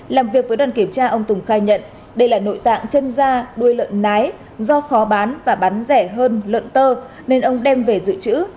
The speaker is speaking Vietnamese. làm việc với đoàn kiểm tra ông tùng khai nhận đây là nội tạng chân da đuôi lợn nái do khó bán và bán rẻ hơn lợn tơ nên ông đem về dự trữ